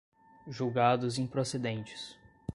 julgados improcedentes